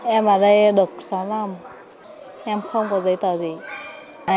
em vào đây được sáu năm em không có giấy tờ gì